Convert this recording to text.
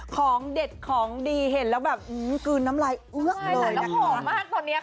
ของเด็ดของดีเห็นแล้วแบบอืมกลืนน้ำลายเอื้อกเลยแล้วหอมมากตอนเนี้ยค่ะ